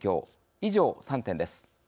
以上３点です。